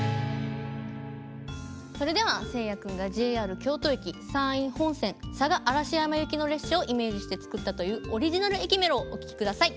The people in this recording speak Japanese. それでは、せいや君がＪＲ京都駅、山陰本線嵯峨嵐山行きの列車をイメージして作ったというオリジナル駅メロをお聴きください。